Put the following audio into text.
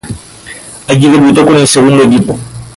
Allí debutó con el segundo equipo.